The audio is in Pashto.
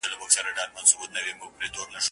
څوک پوه نه سول قصاب څومره دنیادار دی